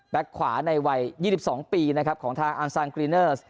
แบ็คขวาในวัย๒๒ปีของทางอัลซานกรีเนอร์